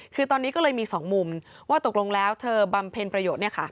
คือตอนนี้ก็เลยมี๒มุมว่าตกลงแล้วเธอบำเพ็ญประโยชน์